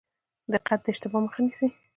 دقت د اشتباه مخه نیسي